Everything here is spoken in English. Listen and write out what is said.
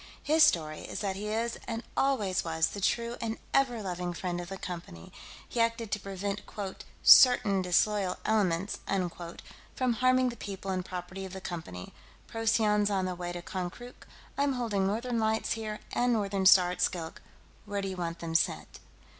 "His story is that he is and always was the true and ever loving friend of the Company; he acted to prevent quote certain disloyal elements unquote from harming the people and property of the Company. Procyon's on the way to Konkrook. I'm holding Northern Lights here and Northern Star at Skilk; where do you want them sent?"